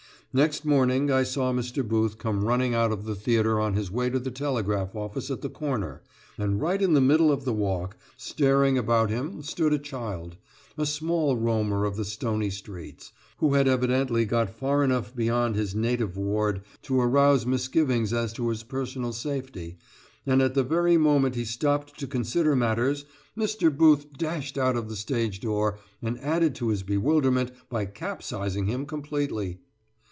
Next morning I saw Mr. Booth come running out of the theatre on his way to the telegraph office at the corner, and right in the middle of the walk, staring about him, stood a child a small roamer of the stony streets, who had evidently got far enough beyond his native ward to arouse misgivings as to his personal safety, and at the very moment he stopped to consider matters Mr. Booth dashed out of the stage door and added to his bewilderment by capsizing him completely.